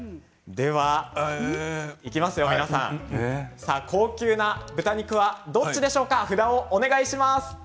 いきますよ、高級な豚肉はどっちでしょうか。